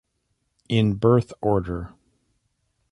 In birth order.